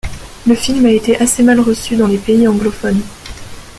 Le film a été assez mal reçu dans les pays anglophones.